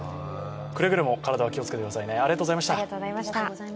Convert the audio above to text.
くれぐれも体には気をつけてくださいね。